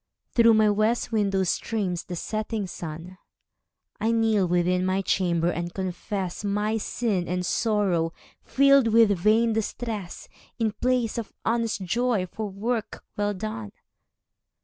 Through my west window streams the setting sun. I kneel within my chamber, and confess My sin and sorrow, filled with vain distress, In place of honest joy for work well done.